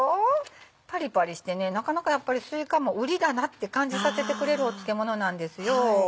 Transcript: パリパリしてねなかなかやっぱりすいかもウリだなって感じさせてくれる漬物なんですよ。